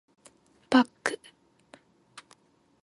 バック